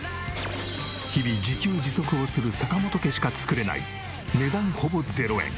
日々自給自足をする坂本家しか作れない値段ほぼ０円！